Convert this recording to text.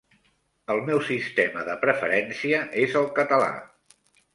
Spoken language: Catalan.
El meu sistema de preferència és el català.